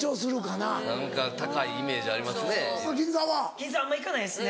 銀座あんま行かないです。